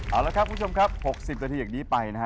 เอาละครับคุณผู้ชมครับ๖๐นาทีอย่างนี้ไปนะฮะ